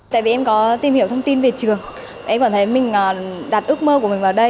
tại vì em có tìm hiểu thông tin về trường em còn thấy mình đặt ước mơ của mình vào đây